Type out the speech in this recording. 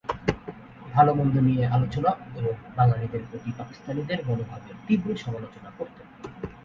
ভালো-মন্দ নিয়ে আলোচনা এবং বাঙালিদের প্রতি পাকিস্তানিদের মনোভাবের তীব্র সমালোচনা করতেন।